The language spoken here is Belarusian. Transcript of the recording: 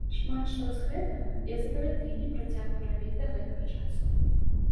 Шмат што з гэтага я з задавальненнем працягваю рабіць да гэтага часу.